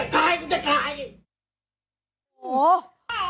กลายชะกาย